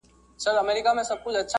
د اخترونو اصلي بڼه خورا اسانه